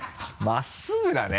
真っすぐだね。